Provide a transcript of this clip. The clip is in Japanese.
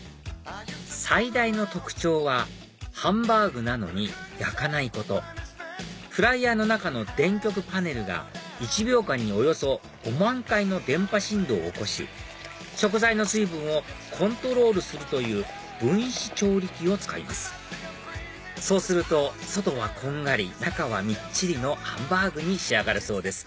最大の特徴はハンバーグなのに焼かないことフライヤーの中の電極パネルが１秒間におよそ５万回の電波振動を起こし食材の水分をコントロールするという分子調理器を使いますそうすると外はこんがり中はみっちりのハンバーグに仕上がるそうです